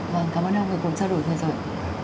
vâng cảm ơn ông đã cùng trao đổi với tôi